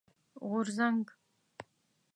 غورځنګ